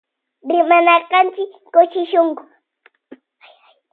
Rimana kanchi kushilla shunkuwan.